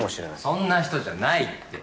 そんな人じゃないって。